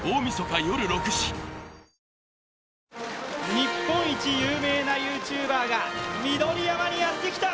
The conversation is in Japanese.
日本一有名なＹｏｕＴｕｂｅが緑山にやってきた。